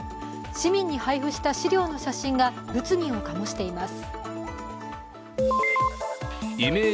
市民に配布した資料の写真が物議を醸しています。